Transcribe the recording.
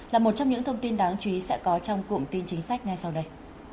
là một trong những thông tin đáng chú ý sẽ có trong cụm tin chính sách ngay sau đây